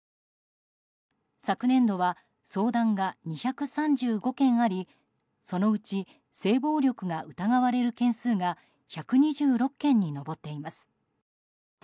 昨年度は相談が２３５件ありそのうち性暴力が疑われる件数が１２６件に上っています。